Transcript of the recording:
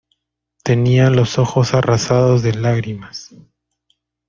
Tenía los ojos arrasados de lágrimas.